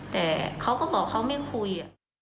แต่เขาก็บอกเขาไม่คุย